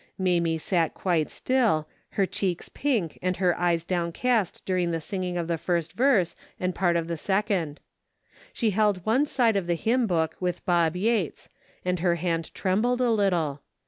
Mamie sat quite still, her cheeks pink and her eyes downcast during the singing of the first verse and part of the second. She held one side of the hymn book with Bob Yates and her hand trembled a little.